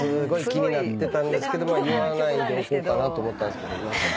気になってたんですけど言わないでおこうかなと思ったんですけど。